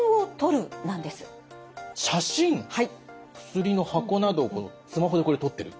薬の箱などをスマホでこれ撮ってる。